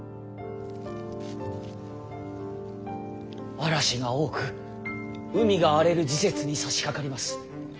嵐が多く海が荒れる時節にさしかかります。